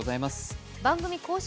番組公式